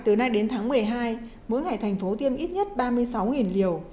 từ nay đến tháng một mươi hai mỗi ngày thành phố tiêm ít nhất ba mươi sáu liều